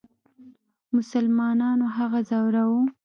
مسلمانانو هغه ځوراوه.